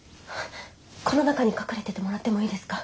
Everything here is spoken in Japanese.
この中に隠れててもらってもいいですか？